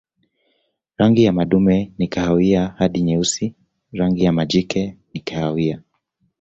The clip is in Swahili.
Rangi ya madume ni kahawia hadi nyeusi, rangi ya majike ni kahawia.